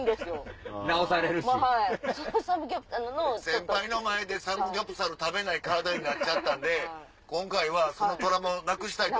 先輩の前でサムギョプサル食べれない体になっちゃったんで今回はそのトラウマをなくしたいと。